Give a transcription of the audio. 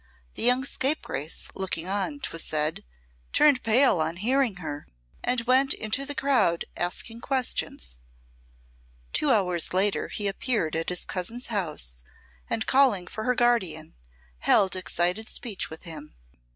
The young scapegrace looking on, 'twas said, turned pale on hearing her and went into the crowd, asking questions. Two hours later he appeared at his cousin's house and, calling for her guardian, held excited speech with him.